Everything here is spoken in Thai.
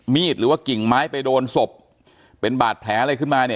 หรือว่ากิ่งไม้ไปโดนศพเป็นบาดแผลอะไรขึ้นมาเนี่ย